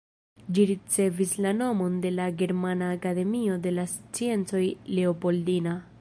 Ĝi ricevis la nomon de la Germana Akademio de la Sciencoj Leopoldina.